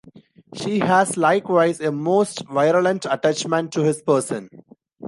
She has likewise a most virulent attachment to his person.